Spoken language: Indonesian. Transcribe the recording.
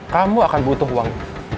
kamu akan butuh uang